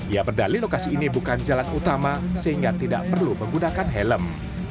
ia berdali lokasi ini bukan jalan utama sehingga tidak perlu menggunakan helm